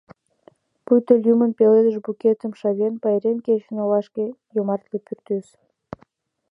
Пуйто лӱмын пеледыш букетым шавен Пайрем кечын олашке йомартле пӱртӱс.